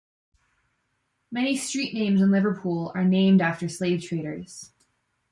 Many street names in Liverpool are named after slave traders.